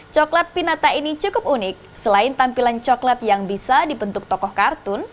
coklat pinata ini cukup unik selain tampilan coklat yang bisa dibentuk tokoh kartun